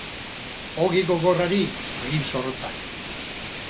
Ogi gogorrari, hagin zorrotzak.